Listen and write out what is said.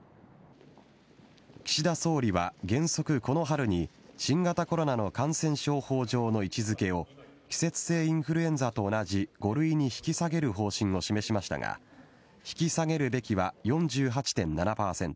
岸田総理は原則この春に新型コロナの感染症法上の位置づけを季節性インフルエンザと同じ５類に引き下げる方針を示しましたが引き下げるべきは４８．７％